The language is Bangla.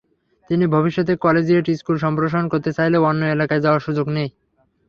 কিন্তু ভবিষ্যতে কলেজিয়েট স্কুল সম্প্রসারণ করতে চাইলে অন্য এলাকায় যাওয়ার সুযোগ নেই।